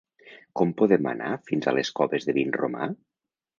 Com podem anar fins a les Coves de Vinromà?